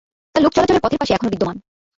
তা লোক চলাচলের পথের পাশে এখনও বিদ্যমান।